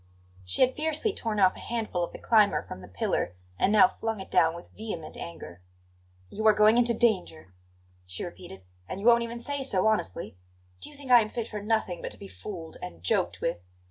She had fiercely torn off a handful of the climber from the pillar, and now flung it down with vehement anger. "You are going into danger," she repeated; "and you won't even say so honestly! Do you think I am fit for nothing but to be fooled and joked with?